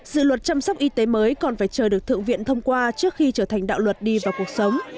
dự luật chăm sóc y tế mới còn phải chờ được thượng viện thông qua trước khi trở thành đạo luật đi vào cuộc sống